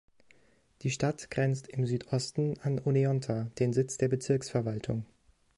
Die Stadt grenzt im Südosten an Oneonta, den Sitz der Bezirksverwaltung.